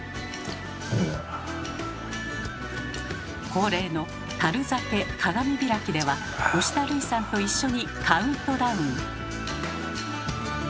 恒例の樽酒鏡開きでは吉田類さんと一緒にカウントダウン！